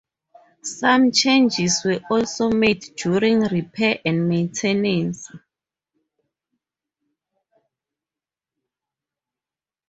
Some changes were also made during repair and maintenance.